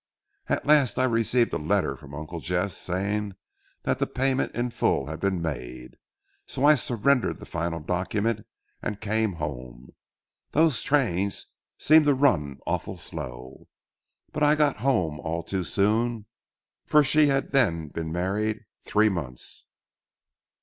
At last I received a letter from Uncle Jesse saying that the payment in full had been made, so I surrendered the final document and came home. Those trains seemed to run awful slow. But I got home all too soon, for she had then been married three months.